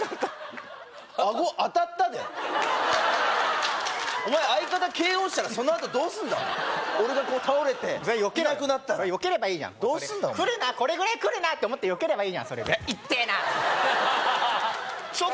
アゴ当たったでお前相方ＫＯしたらそのあとどうすんだ俺がこう倒れていなくなったらよければいいじゃんどうすんだこれぐらいくるなって思ってよければいいじゃん痛えなそそ